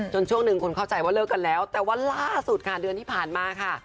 ช่วงหนึ่งคนเข้าใจว่าเลิกกันแล้วแต่ว่าล่าสุดค่ะเดือนที่ผ่านมาค่ะ